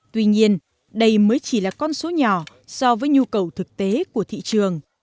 tuy nhiên đây mới chỉ là con số nhỏ so với nhu cầu thực tế của thị trường